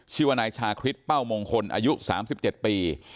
ชื่อว่านายชาคริสเป้ามงคลอายุ๓๗ปี